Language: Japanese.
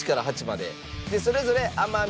でそれぞれ甘味